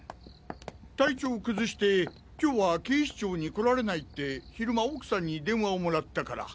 体調を崩して今日は警視庁に来られないって昼間奥さんに電話をもらったから。